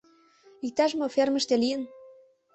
Иктаж-мо фермыште лийын?